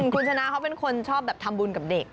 คุณชนะเขาเป็นคนชอบแบบทำบุญกับเด็ก